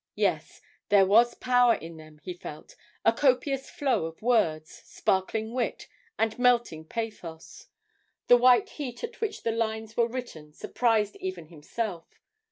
Yes; there was power in them, he felt it, a copious flow of words, sparkling wit, and melting pathos. The white heat at which the lines were written surprised even himself.